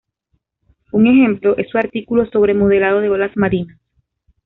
Un ejemplo es su artículo sobre modelado de olas marinas.